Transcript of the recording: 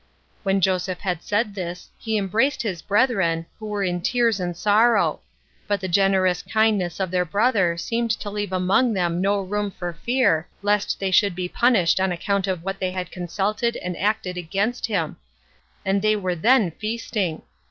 When Joseph had said this, he embraced his brethren, who were in tears and sorrow; but the generous kindness of their brother seemed to leave among them no room for fear, lest they should be punished on account of what they had consulted and acted against him; and they were then feasting.